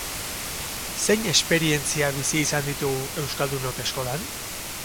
Zein esperientzia bizi izan ditugu euskaldunok eskolan?